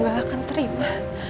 gue gak akan terima